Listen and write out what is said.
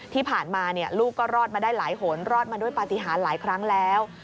ที่ผ่านมาลูกก็รอดมาได้หลายหนรอดมาด้วยปฏิหารหลายครั้งแล้ว